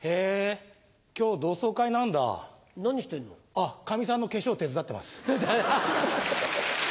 あカミさんの化粧手伝ってます。